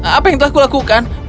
apa yang telah kulakukan